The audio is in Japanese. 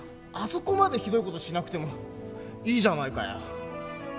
そこまでひどい事しなくてもいいじゃないかよ。